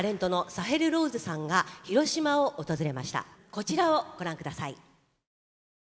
こちらをご覧下さい。